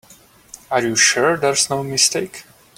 Are you sure there's no mistake?